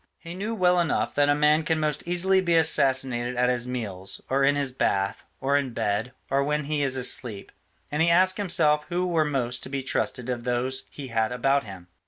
He knew well enough that a man can most easily be assassinated at his meals, or in his bath, or in bed, or when he is asleep, and he asked himself who were most to be trusted of those he had about him.